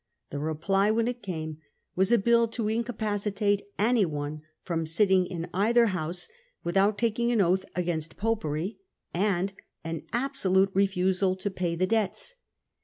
The reply when it came *675 was a bill to incapacitate anyone from sitting in either House without taking an oath against Popery, and an absolute refusal to pay the debts.